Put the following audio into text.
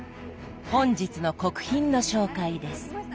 本日の国賓の紹介です。